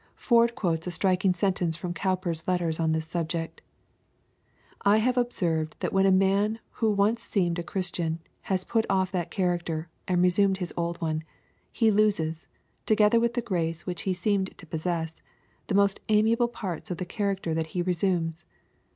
Ford quotes a striking sentence from Cowper*s letters on this sub ject :" I have observed that when a man who once seemed a Christian has put off that character, and resumed his old one, he loses, together with the grace which he seemed to possess, the most amiable parts of the character that he resumes.